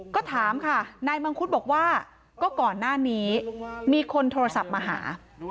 ก็ถามค่ะนายมังคุดบอกว่าก็ก่อนหน้านี้มีคนโทรศัพท์มาหา